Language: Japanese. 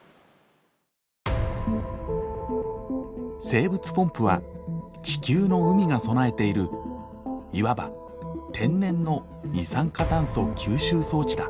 生物ポンプは地球の海が備えているいわば天然の二酸化炭素吸収装置だ。